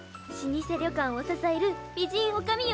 老舗旅館を支える美人女将